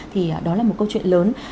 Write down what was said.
thì đó là một câu chuyện lớn